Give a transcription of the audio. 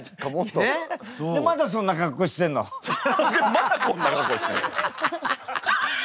まだこんなことしてんの。